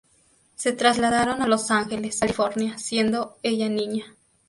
Se trasladaron a Los Ángeles, California, siendo ella niña.